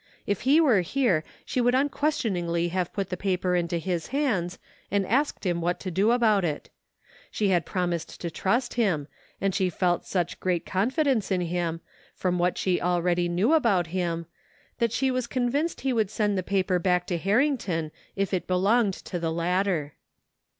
If he were here she would unquestioningly have put the paper into his hands and asked him what to do about it. She had promised to trust him, and she felt such great con fidence in him, from what she already knew about him, that she was convinced he would send the paper bade to Harrington if it belonged to the latter.